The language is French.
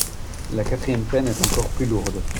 La quatrième peine est encore plus lourde.